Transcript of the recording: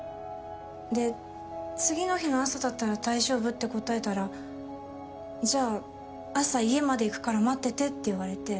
で次の日の朝だったら大丈夫って答えたらじゃあ朝家まで行くから待っててって言われて。